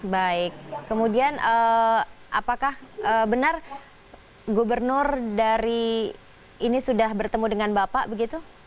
baik kemudian apakah benar gubernur dari ini sudah bertemu dengan bapak begitu